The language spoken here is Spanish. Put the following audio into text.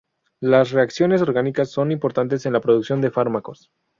Las reacciones orgánicas son importantes en la producción de fármacos.